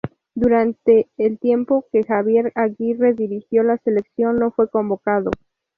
Durante el tiempo que Javier Aguirre dirigió la selección no fue convocado.